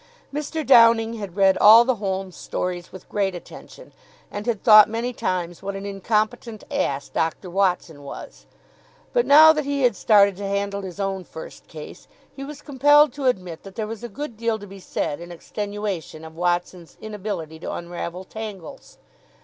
Mr. Downing had read all the Holmes stories with great attention, and had thought many times what an incompetent ass Doctor Watson was; but, now that he had started to handle his own first case, he was compelled to admit that there was a good deal to be said in extenuation of Watson's inability to unravel tangles.